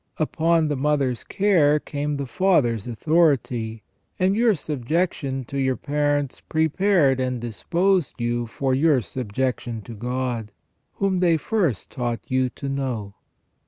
Upon the mother's care came the father's authority, and your subjection to your parents prepared and disposed you for your subjection to God, whom they first taught you to know.